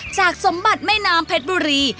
จากสมบัติแม่น้ำเพชรบุรี